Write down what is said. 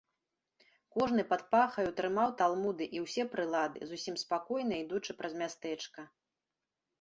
Кожны пад пахаю трымаў талмуды і ўсе прылады, зусім спакойна ідучы праз мястэчка.